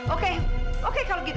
oke oke kalau gitu